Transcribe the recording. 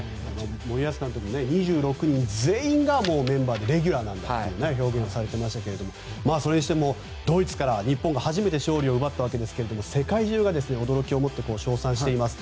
森保監督も２６人全員がメンバーでレギュラーなんだという表現をされていましたがそれにしても、ドイツから日本が初めて勝利を奪ったわけですが世界中が驚きをもって称賛しています。